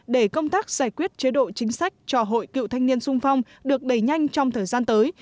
để công tác giải quyết chế độ chính sách cho hội cựu thanh niên sung phong được đẩy nhanh trong thời gian tới